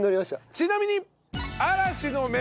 ちなみに。